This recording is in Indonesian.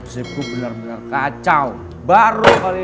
seku benar benar kacau baru kali